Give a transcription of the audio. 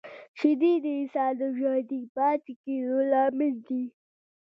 شیدې د انسان د ژوندي پاتې کېدو لامل دي